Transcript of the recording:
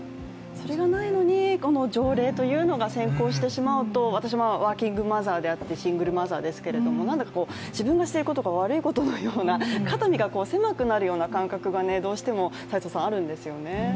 それがないのにこの条例というのが先行してしまうと私ワーキングマザーであってシングルマザーですけれども、自分がしていることが悪いことのような、肩身が狭くなるような感覚がどうしてもあるんですよね。